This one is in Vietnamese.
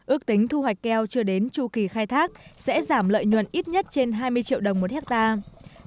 ước tính thu hoạch keo chưa đến chu kỳ khai thác sẽ giảm lợi nhuận ít nhất trên hai mươi triệu đồng một hectare